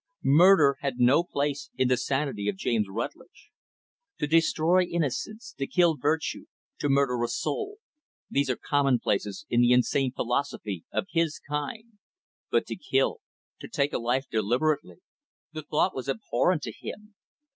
Murder had no place in the insanity of James Rutlidge To destroy innocence, to kill virtue, to murder a soul these are commonplaces in the insane philosophy of his kind. But to kill to take a life deliberately the thought was abhorrent to him.